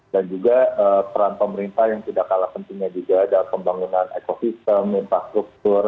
juga peran pemerintah yang tidak kalah pentingnya juga dalam pembangunan ekosistem infrastruktur